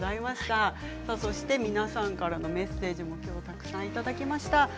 皆さんからのメッセージもたくさんいただきました。